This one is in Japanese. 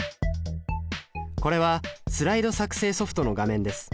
これはスライド作成ソフトの画面です。